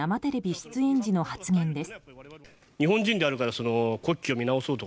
出演時の発言です。